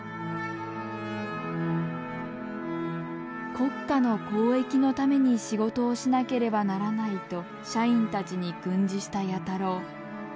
「国家の公益のために仕事をしなければならない」と社員たちに訓示した弥太郎。